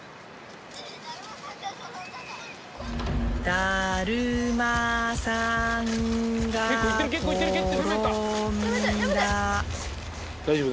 ・だるまさんが転んだ・大丈夫？